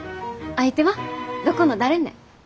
相手はどこの誰ね。